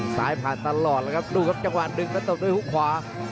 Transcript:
ผ่านตลอดแล้วครับดูครับจังหวะดึงแล้วตบด้วยฮุกขวา